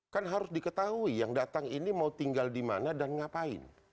kan harus diketahui yang datang ini mau tinggal di mana dan ngapain